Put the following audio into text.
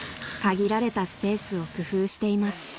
［限られたスペースを工夫しています］